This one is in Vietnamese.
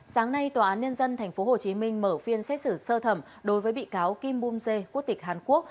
sáng nay tòa án nhân dân tp hcm mở phiên xét xử sơ thẩm đối với bị cáo kim bung dê quốc tịch hàn quốc